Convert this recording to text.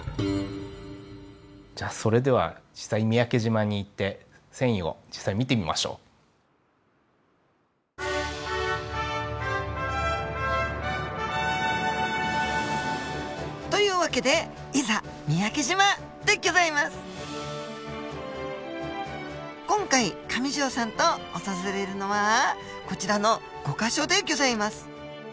じゃそれでは実際三宅島に行って遷移を実際見てみましょう。という訳で「いざ三宅島！」でギョざいます。今回上條さんと訪れるのはこちらの５か所でギョざいます。